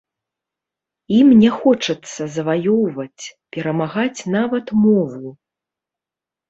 Ім не хочацца заваёўваць, перамагаць нават мову!